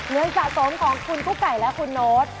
เงินสะสมของคุณกุ๊กไก่และคุณโน๊ต